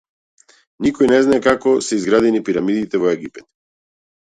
Никој не знае како се изградени пирамидите во Египет.